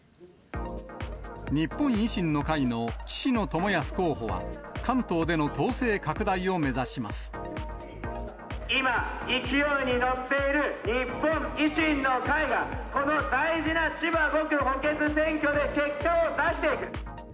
日本維新の会の岸野智康候補は、今、勢いに乗っている日本維新の会が、この大事な千葉５区補欠選挙で結果を出していく。